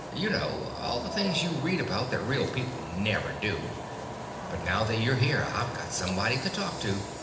You know: all the things you read about, that real people never do. But now that you're here, I've got somebody to talk to.